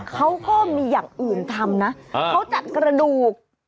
เขาก็มีอย่างอื่นทำนะเขาจัดกระดูก